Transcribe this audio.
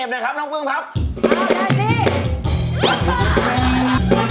เดี๋ยว